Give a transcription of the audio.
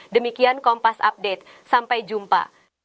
demikian kompas update sampai jumpa